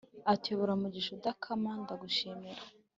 atuyobora, mugisha udakama ndagushimira